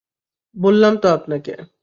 বললাম তো আপনাকে।